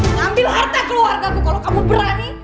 aku tidak akan lakukan ini